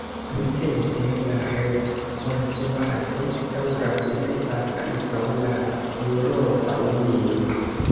Nuntempe la rekonstruado daŭras, helpas ankaŭ la Eŭropa Unio.